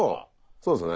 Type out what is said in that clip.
そうですね。